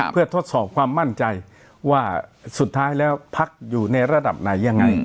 เพื่อทดสอบความมั่นใจว่าสุดท้ายแล้วพักอยู่ในระดับไหนยังไง